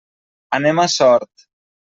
Anem a Sort.